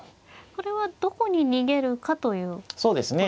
これはどこに逃げるかということなんですね。